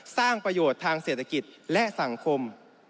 สร้างประโยชน์ทางเศรษฐกิจและสังคม